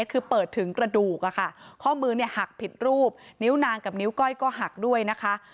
คือเปิดถึงกระดูกข้อมือเนี่ยหักผิดรูปนิ้วนางกับนิ้วก้อยก็หักด้วยนะคะ